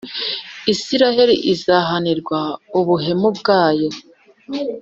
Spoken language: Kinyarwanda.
Israheli izahanirwa ubuhemu bwayo